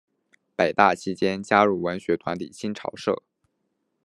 北大期间加入文学团体新潮社。